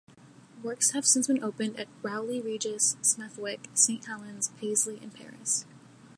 Works have since been opened at Rowley Regis, Smethwick, Saint Helens, Paisley and Paris.